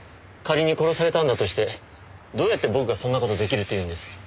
仮に殺されたんだとしてどうやって僕がそんな事出来るというんです？